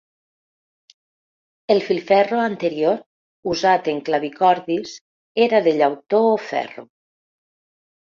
El filferro anterior, usat en clavicordis, era de llautó o ferro.